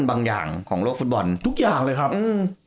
บางอย่างของโลกฟุตบอลทุกอย่างเลยครับอืม